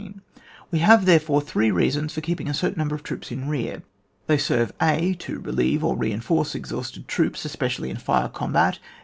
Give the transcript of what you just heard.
We have, therefore, three reasons for keeping a certain number of troops in rear. They serve {a) to relieve or reinforce ex hausted troops, especially in fire combat.